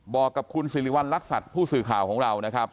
บอกกับคุณสิริวัณรักษัตริย์ผู้สื่อข่าวของเรานะครับ